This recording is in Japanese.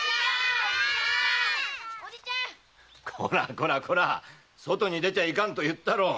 こらこら外に出ちゃいかんと言ったろう。